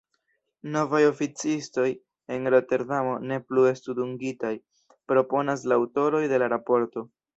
Novaj oficistoj en Roterdamo ne plu estu dungitaj, proponas la aŭtoroj de la raporto.